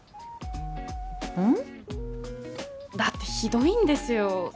うん？だってひどいんですよ